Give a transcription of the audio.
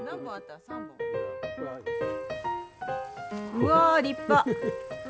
うわ立派！